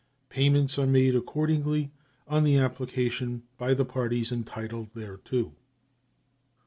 Payments are made accordingly, on the application by the parties entitled thereto.